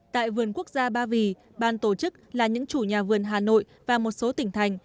tại vườn quốc gia ba vì ban tổ chức là những chủ nhà vườn hà nội và một số tỉnh thành